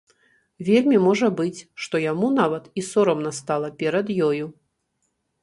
Вельмі можа быць, што яму нават і сорамна стала перад ёю.